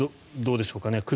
どうでしょうかね。